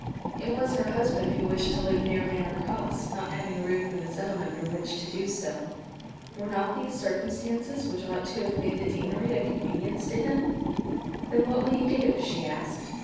It was her husband who wished to live near Manor Cross, not having a roof of his own under which to do so. Were not these circumstances which ought to have made the deanery a convenience to him? "Then what will you do?" she asked.